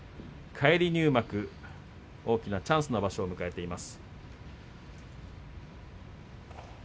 返り入幕大きなチャンスの場所を迎えています。